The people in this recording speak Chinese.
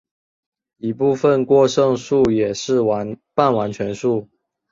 一部分过剩数也是半完全数。